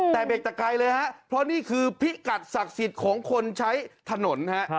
แต่เบรกแต่ไกลเลยฮะเพราะนี่คือพิกัดศักดิ์สิทธิ์ของคนใช้ถนนฮะ